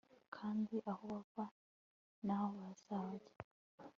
kandi aho bava n'aho bazajya